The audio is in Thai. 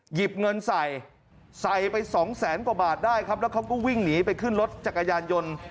หยิบเงินใส่ใส่ไปสองแสนกว่าบาทได้ครับแล้วเขาก็วิ่งหนีไปขึ้นรถจักรยานยนต์